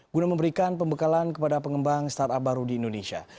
guna memberikan pembekalan kepada pengembang startup baru di indonesia